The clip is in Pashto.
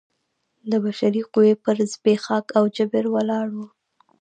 د بشري قوې پر زبېښاک او جبر ولاړ و.